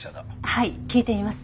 はい聞いてみます。